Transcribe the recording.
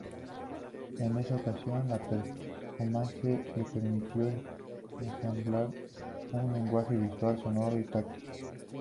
En esa ocasión, la performance le permitió ensamblar un lenguaje visual, sonoro y táctil.